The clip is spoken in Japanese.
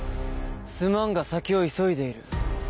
すまんが先を急いでいる。